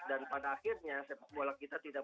dan pada akhirnya sepak bola kita tidak